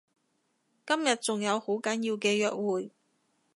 今日仲有好緊要嘅約會